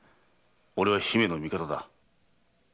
俺は姫の味方だ。